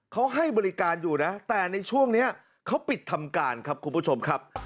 เขาให้บริการอยู่นะแต่ในช่วงนี้เขาปิดทำการครับคุณผู้ชมครับ